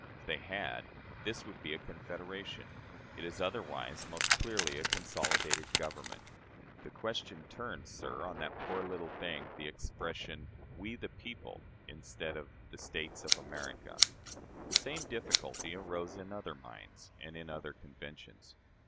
If they had, this would be a confederation: it is otherwise most clearly a consolidated government. The question turns, sir, on that poor little thing the expression, 'We, the people,' instead of the States of America." The same difficulty arose in other minds and in other conventions.